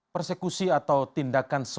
persekusi atau tindakan sosial